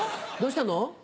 どうしたの？